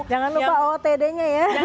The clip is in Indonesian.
jangan lupa ootd nya ya